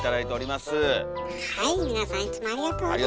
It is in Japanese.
皆さんいつもありがとうございます！